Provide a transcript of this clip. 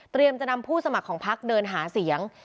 เตรียมจะนำผู้สมัครของภักดิ์เดินหาเสียง